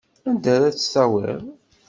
Anda ara tt-tawiḍ?